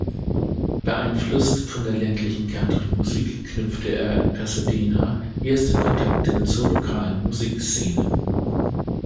Beeinflusst von der ländlichen Country-Musik, knüpfte er in Pasadena erste Kontakte zur lokalen Musikszene.